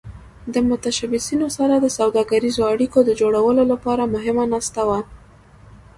د متشبثینو سره د سوداګریزو اړیکو د جوړولو لپاره مهمه ناسته وه.